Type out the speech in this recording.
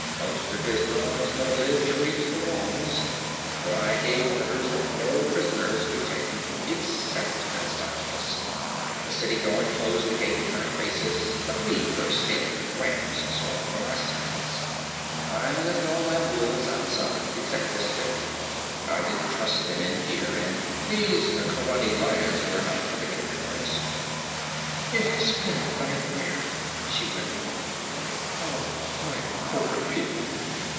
Most of his dogs never lived to reach the walls, for I gave orders that no prisoners be taken except Constantius. The city guard closed the gate in our faces, but we burst in with rams swung from our saddles. I left all my wolves outside, except this fifty. I didn't trust them in here, and these Khaurani lads were enough for the gate guards.' 'It has been a nightmare!' she whimpered. 'Oh, my poor people!